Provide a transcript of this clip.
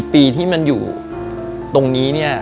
๔๐ปีที่มันอยู่ตรงนี้